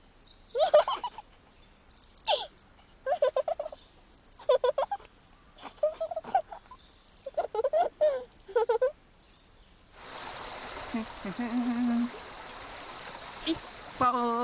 ウフフフ。